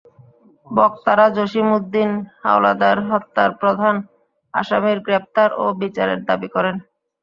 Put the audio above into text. বক্তারা জসিম উদ্দিন হাওলাদার হত্যার প্রধান আসামির গ্রেপ্তার ও বিচারের দাবি করেন।